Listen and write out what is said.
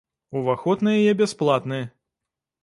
Уваход на яе бясплатны.